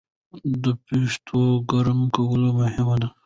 د پښتو کره کول مهم دي